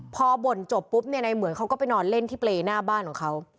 พอบ่นจบปุ๊บเนี่ยในเหมือนเขาก็ไปนอนเล่นที่เปรย์หน้าบ้านของเขา